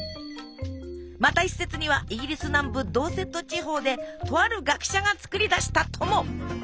また一説にはイギリス南部ドーセット地方でとある学者が作り出したとも！